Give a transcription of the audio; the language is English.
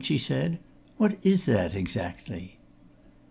she said. "What is that, exactly?"